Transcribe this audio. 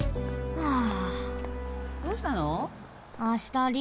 はあ。